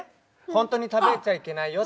ほんとに食べちゃいけないよ。